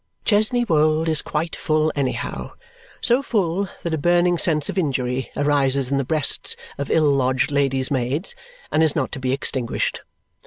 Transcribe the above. Chesney Wold is quite full anyhow, so full that a burning sense of injury arises in the breasts of ill lodged ladies' maids, and is not to be extinguished.